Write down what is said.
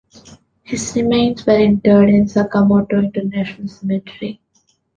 His remains were interred in the Sakamoto international cemetery.